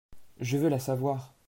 Je veux la savoir.